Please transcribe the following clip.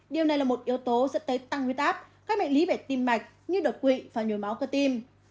điều này là một yếu tố dẫn tới tăng huyết áp các bệnh lý về tim mạch như đột quỵ và nhồi máu cơ tim